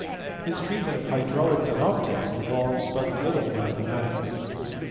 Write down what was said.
His treatment of hydraulics and optics involves but little mathematics.